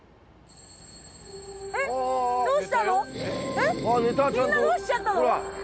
えっみんなどうしちゃったの？